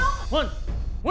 dia gak mau dia mau